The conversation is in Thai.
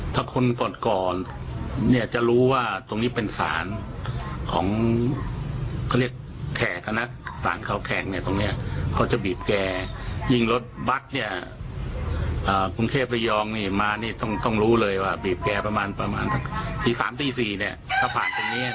ติดสามตีสี่เนี่ยถ้าผ่านตรงนี้นะ